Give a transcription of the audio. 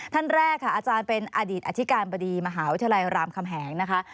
ท่านแรกค่ะอาจารย์เป็นอดีตอธิการบดีมหาวิทยาลัยรามคำแหงนะคะ